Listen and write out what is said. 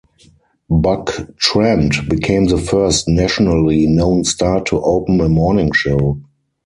Buck Trent became the first nationally known star to open a morning show.